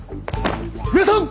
皆さん！